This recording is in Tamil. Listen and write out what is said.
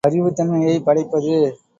அறிவு தன்மையைப் படைப்பது.